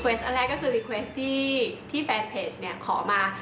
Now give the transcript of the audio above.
คำสั่งอันแรกก็คือคำสั่งที่แฟนเพจขอมา